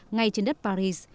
ngay trên đất paris